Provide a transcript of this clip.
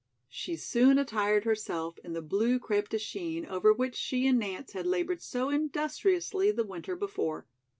She soon attired herself in the blue crêpe de chine over which she and Nance had labored so industriously the winter before.